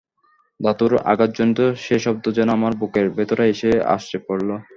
ধাতুর আঘাতজনিত সে শব্দ যেন আমার বুকের ভেতরে এসে আছড়ে পড়ল।